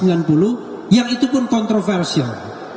yang itu pun kontroversial